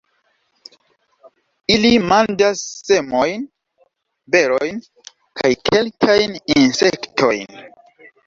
Ili manĝas semojn, berojn kaj kelkajn insektojn.